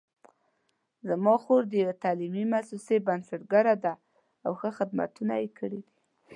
زما خور د یوې تعلیمي مؤسسې بنسټګره ده او ښه خدمتونه یې کړي دي